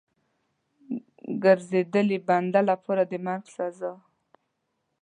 ګرځېدلي بنده لپاره د مرګ سزا.